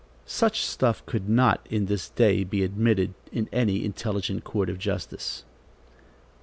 Such stuff could not in this day be admitted in any intelligent court of justice.